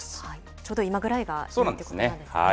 ちょうど今ぐらいがいいってことなんですね。